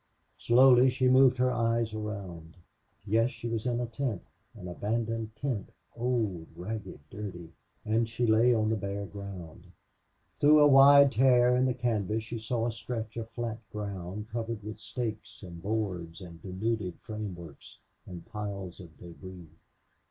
Slowly she moved her eyes around. Yes, she was in a tent an abandoned tent, old, ragged, dirty; and she lay on the bare ground. Through a wide tear in the canvas she saw a stretch of flat ground covered with stakes and boards and denuded frameworks and piles of debris.